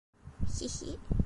คิคิ